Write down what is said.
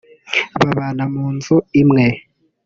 babana mu nzu imwe